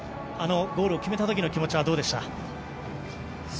あのゴールを決めた時の気持ちはどうでした？